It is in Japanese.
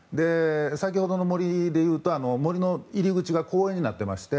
先ほどの森でいうと森の入り口が公園になっていまして